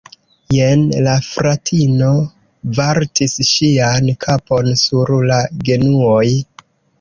Jen la fratino vartis ŝian kapon sur la genuoj.